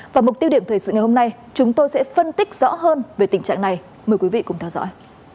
và mục tiêu điểm thời sự ngày hôm nay chúng tôi sẽ phân tích rõ hơn về tình trạng này mời quý vị cùng theo dõi